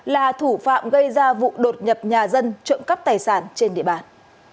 là thủ phạm gây ra vụ đột nhập nhà dân trộm cắp tài sản trên địa bàn